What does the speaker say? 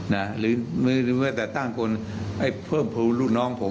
นะหรือหรือหรือแต่ตั้งคนให้เพิ่มผู้ลูกน้องผม